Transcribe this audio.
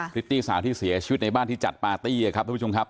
ิตตี้สาวที่เสียชีวิตในบ้านที่จัดปาร์ตี้ครับทุกผู้ชมครับ